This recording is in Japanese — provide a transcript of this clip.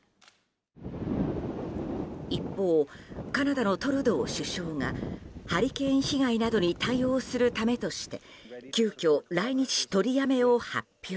一方、カナダのトルドー首相がハリケーン被害などに対応するためとして急きょ来日取りやめを発表。